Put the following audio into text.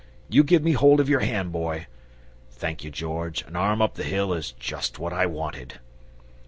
You give me hold of your hand, Boy thank you, George, an arm up the hill is just what I wanted!"